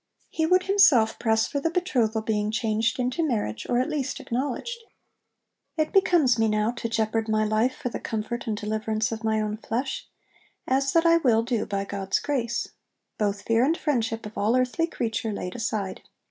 He would himself press for the betrothal being changed into marriage, or at least acknowledged. 'It becomes me now to jeopard my life for the comfort and deliverance of my own flesh, as that I will do by God's grace; both fear and friendship of all earthly creature laid aside.'